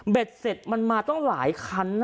เบ็ดเสร็จมันมาต้องหลายคัน